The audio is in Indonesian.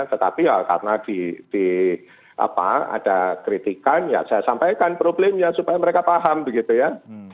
tetapi ya karena ada kritikan ya saya sampaikan problemnya supaya mereka paham begitu ya